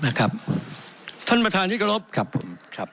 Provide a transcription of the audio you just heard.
ครับครับท่านประทานิกรบครับผมครับ